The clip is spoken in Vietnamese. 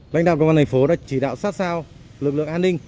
lãnh đạo công an thành phố đã chỉ đạo sát sao lực lượng an ninh